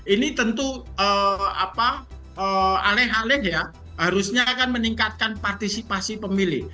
ini tentu aleh aleh ya harusnya akan meningkatkan partisipasi pemilih